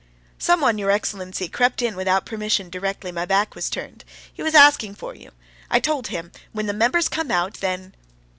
"Someone, your excellency, crept in without permission directly my back was turned. He was asking for you. I told him: when the members come out, then...."